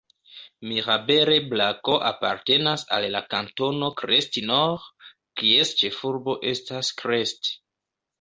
Mirabel-et-Blacons apartenas al la kantono Crest-Nord, kies ĉefurbo estas Crest.